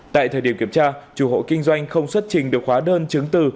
tại thời điểm kiểm tra chủ hộ kinh doanh không xuất trình được khóa đơn chứng từ